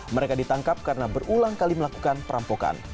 mereka ditangkap karena berulang kali melakukan perampokan